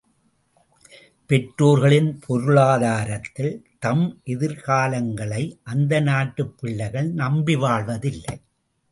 பெற்றோர்களின் பொருளாதாரத்தில் தம் எதிர்காலங்களை அந்த நாட்டுப் பிள்ளைகள் நம்பி வாழ்வதில்லை.